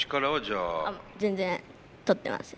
あ全然とってません。